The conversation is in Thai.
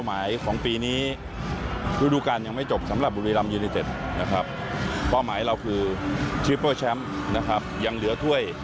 ทุกอันตี่ไว้โดยโดนกว่าเยอะเหลือเราคือคังหรือส่วนชัยนะครับยังเหลือถ้วย